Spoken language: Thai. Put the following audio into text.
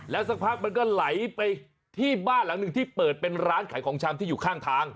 สักพักมันก็ไหลไปที่บ้านหลังหนึ่งที่เปิดเป็นร้านขายของชำที่อยู่ข้างทาง